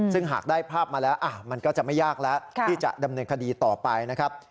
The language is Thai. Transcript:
ซึ่งหากได้ภาพมาแล้วมันก็จะไม่ยากแล้วที่จะดำเนินคดีต่อไปนะครับ